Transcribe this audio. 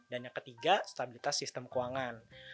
dan yang ketiga stabilitas sistem keuangan